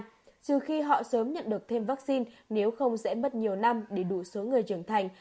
trừ khi họ sớm nhận được thêm vaccine nếu không dễ mất nhiều năm để đủ số người trưởng thành